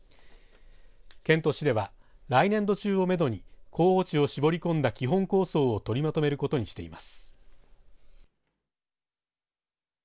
県と市では来年度中をめどに候補地を絞り込んだ基本構想を取りまとめることにしています。